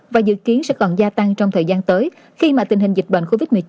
và dự kiến sẽ còn gia tăng trong thời gian tới khi mà tình hình dịch bệnh covid một mươi chín